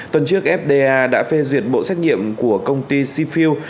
tuần trước fda đã phê duyệt bộ xét nghiệm của công ty cfield